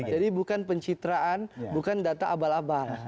jadi bukan pencitraan bukan data abal abal